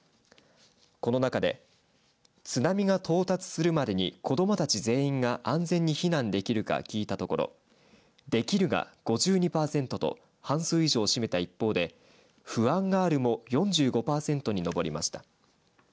この中で津波が到達するまでに子どもたち全員が安全に避難できるか聞いたところできるが５２パーセントと半数以上を占めた一方で不安があるも４５パーセントに上りました。